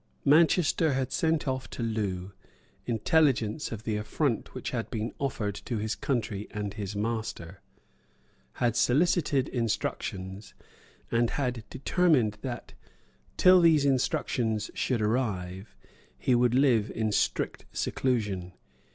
Manchester had sent off to Loo intelligence of the affront which had been offered to his country and his master, had solicited instructions, and had determined that, till these instructions should arrive, he would live in strict seclusion.